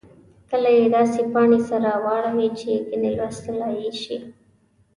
کله یې داسې پاڼې سره واړوئ چې ګنې لوستلای یې شئ.